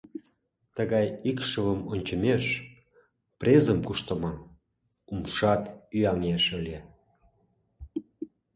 Тыгай икшывым ончымеш, презым куштыман — умшат ӱяҥеш ыле...